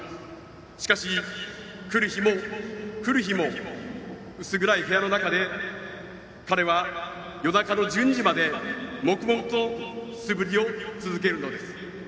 しかし、来る日も来る日も薄暗い部屋の中で彼は、夜中の１２時まで黙々と素振りを続けるのです。